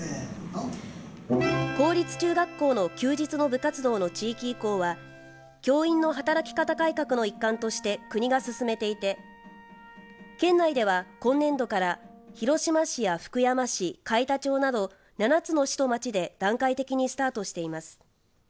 公立中学校の休日の部活動の地域移行は教員の働き方改革の一環として国が進めていて県内では今年度から広島市や福山市、海田町など７つの市と町で段階的にスタートしています。